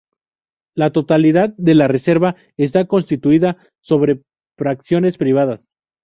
La totalidad de la reserva está constituida sobre fracciones privadas.